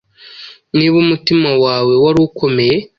niba umutima wawe wari ukomeye